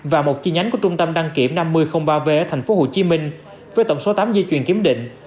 và một chi nhánh của trung tâm đăng kiểm năm mươi ba v ở tp hcm với tổng số tám di chuyển kiểm định